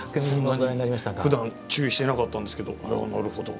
ふだん注意してなかったんですけどなるほど。